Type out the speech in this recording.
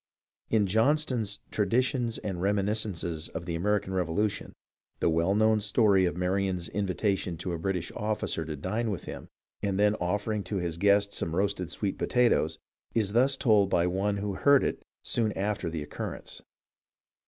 In Johnston's "Traditions and Reminiscences of the American Revolution," the well known story of Marion's invitation to a British officer to dine with him and then offering to his guest some roasted sweet potatoes, is thus told by one who heard it soon after the occurrence.